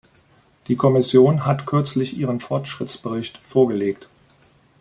Die Kommission hat kürzlich ihren Fortschrittsbericht vorgelegt.